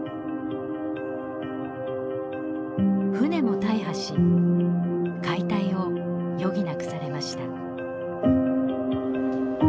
船も大破し解体を余儀なくされました。